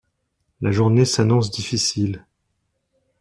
La journée s’annonce difficile.